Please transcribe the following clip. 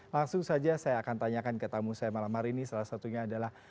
langsung saja saya akan tanyakan ke tamu saya malam hari ini salah satunya adalah